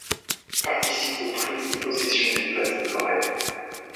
Participe aux prises de possession des places de Lorraine.